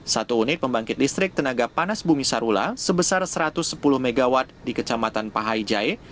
satu unit pembangkit listrik tenaga panas bumi sarula sebesar satu ratus sepuluh mw di kecamatan pahai jaya